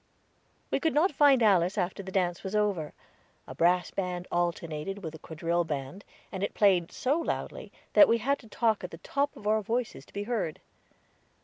We could not find Alice after the dance was over. A brass band alternated with the quadrille band, and it played so loudly that we had to talk at the top of our voices to be heard.